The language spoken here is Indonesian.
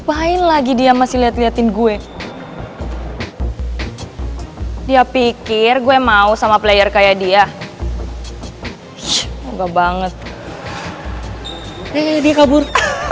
ih apain lagi dia masih liat liatin gue dia pikir gue mau sama player kayak dia enggak banget hei kabur